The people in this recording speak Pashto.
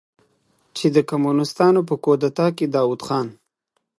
چې د کمونستانو په کودتا کې د داؤد خان